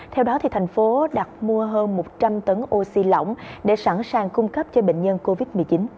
theo đó thành phố đặt mua hơn một trăm linh tấn oxy lỏng để sẵn sàng cung cấp cho bệnh nhân covid một mươi chín